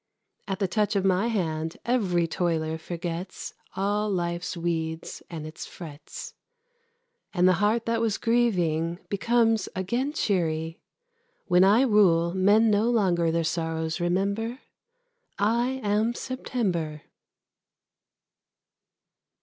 At the touch of my hand every toiler forgets All life's weeds and its frets, And the heart that was grieving becomes again cheery. When I rule, men no longer their sorrows remember. I am September.